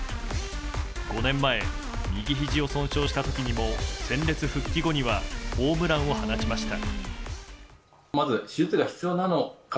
５年前、右ひじを損傷した時にも戦列復帰後にはホームランを放ちました。